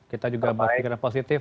kita juga berpikiran positif